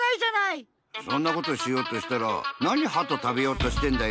そんなことしようとしたら「なにハトたべようとしてんだよ！」